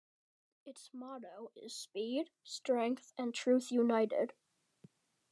Its motto is "Speed, Strength and Truth United".